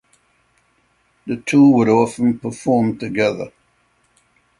The two would often perform together.